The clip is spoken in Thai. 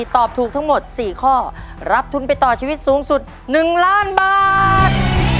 ตอบถูก๔ข้อรับทุนไปต่อชีวิตสูงสุด๑๐๐๐๐๐๐บาท